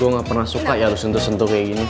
gue gak pernah suka ya harus sentuh sentuh kayak gini